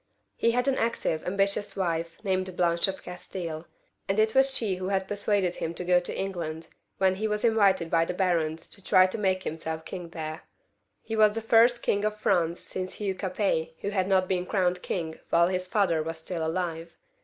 He had an active, ambitious wife named Blanche of Castille, and it was she who had persuaded him to go to England when he was invited by the barons to try to make himseK king there, as I told you in the last chapter. He was the first Eong of Prance since Hugh Capet who had not been crowned king while his father was still alive.